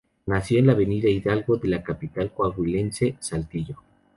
Nació en la avenida Hidalgo de la capital coahuilense, Saltillo.